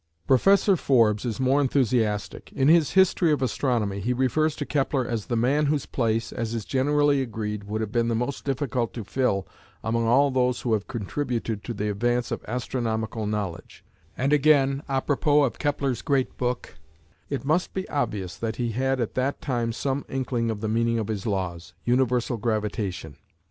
Professor Forbes is more enthusiastic. In his "History of Astronomy," he refers to Kepler as "the man whose place, as is generally agreed, would have been the most difficult to fill among all those who have contributed to the advance of astronomical knowledge," and again à propos of Kepler's great book, "it must be obvious that he had at that time some inkling of the meaning of his laws universal gravitation.